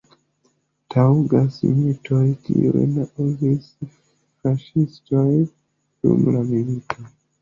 Taŭgas mitoj, kiujn uzis faŝistoj dum la milito.